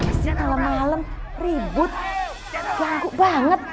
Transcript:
kasian malam malam ribut ganggu banget